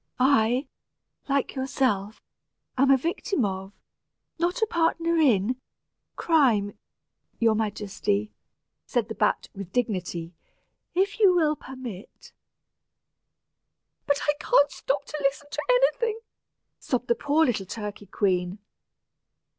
"I, like yourself, am a victim of, not a partner in, crime, your Majesty," said the bat, with dignity. "If you will permit " "But I can't stop to listen to anything," sobbed the poor little turkey queen.